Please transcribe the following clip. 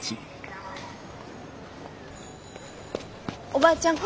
おばあちゃん。